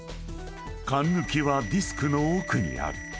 ［かんぬきはディスクの奥にある］